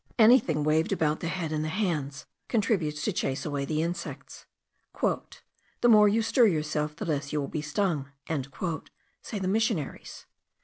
Anything waved about the head and the hands contributes to chase away the insects. "The more you stir yourself, the less you will be stung," say the missionaries.